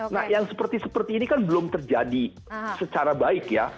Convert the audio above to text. nah yang seperti seperti ini kan belum terjadi secara baik ya